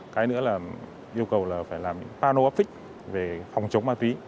cái nữa là yêu cầu là phải làm những panel office về phòng chống ma túy